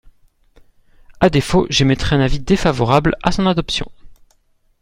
À défaut, j’émettrai un avis défavorable à son adoption.